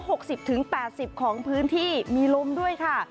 หกสิบถึงแปดสิบของพื้นที่มีลมด้วยค่ะ